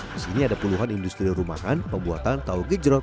disini ada puluhan industri rumahan pembuatan tahu gejerot